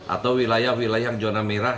atau wilayah wilayah yang zona merah